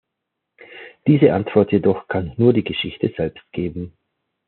Diese Antwort jedoch kann nur die Geschichte selbst geben.